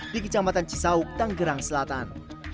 di kecamatan cisauk tanggerang selatan